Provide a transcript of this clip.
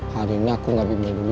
hari ini aku gak bimbang dulu ya